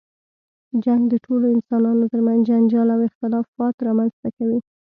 جنګ د ټولو انسانانو تر منځ جنجال او اختلافات رامنځته کوي.